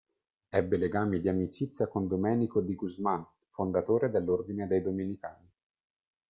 Ebbe legami di amicizia con Domenico di Guzmán, fondatore dell'ordine dei domenicani.